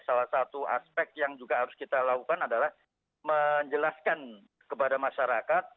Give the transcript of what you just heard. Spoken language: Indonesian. salah satu aspek yang juga harus kita lakukan adalah menjelaskan kepada masyarakat